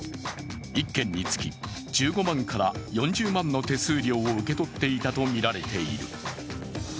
１件につき１５万から４０万の手数料を受け取っていたとみられている。